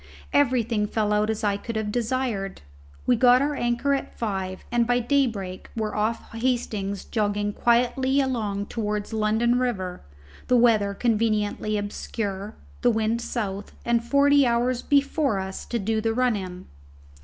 Everything fell out as I could have desired. We got our anchor at five, and by daybreak were off Hastings jogging quietly along towards London river, the weather conveniently obscure, the wind south, and forty hours before us to do the run in.